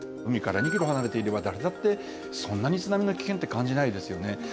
海から２ｋｍ離れていれば誰だってそんなに津波の危険って感じないですよね。